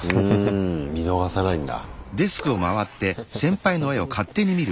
うん見逃さないんだ。